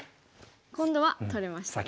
今度は取れましたね。